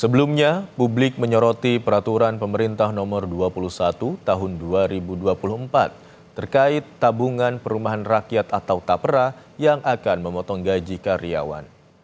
sebelumnya publik menyoroti peraturan pemerintah nomor dua puluh satu tahun dua ribu dua puluh empat terkait tabungan perumahan rakyat atau tapera yang akan memotong gaji karyawan